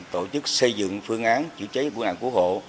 tổ chức xây dựng phương án chữa cháy quốc nạn quốc hộ